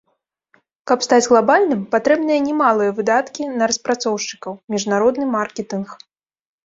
Каб стаць глабальным, патрэбныя немалыя выдаткі на распрацоўшчыкаў, міжнародны маркетынг.